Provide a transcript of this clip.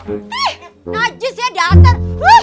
ih najis ya dasar